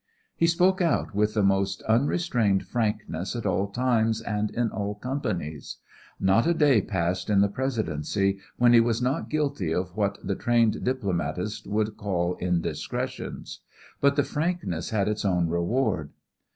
He spoke out with the most unrestrained frankness at all times and in all companies Not a day passed in the Presidency when he was not guilty of what the trained diplomatist would call indiscretions. But the frankness had its own reward.